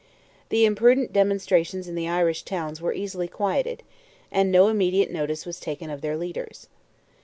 The imprudent demonstrations in the Irish towns were easily quieted, and no immediate notice was taken of their leaders.